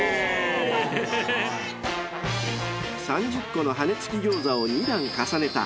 ［３０個の羽根付き餃子を２段重ねた］